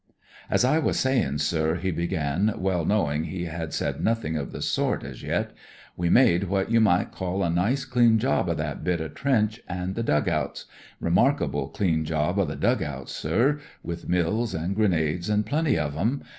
" As I was sayin', sir," he began, well " STICKFAST " AND OFFICER 161 knowing he had said nothing of the sort as yet, we made what you might call a nice clean job o* that bit o* t«nch, an' the dug outs — remarkable clean job of the dug outs, sir — ^with Mills *an^ grenades an' plenty of 'em.